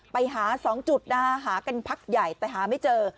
ไปหา๒จุดนะฮะหากันพักใหญ่แต่หาไม่เจอ